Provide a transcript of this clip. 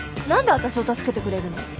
何で私を助けてくれるの？